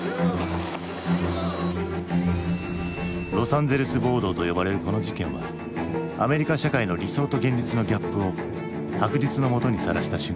ロサンゼルス暴動と呼ばれるこの事件はアメリカ社会の理想と現実のギャップを白日のもとにさらした瞬間だった。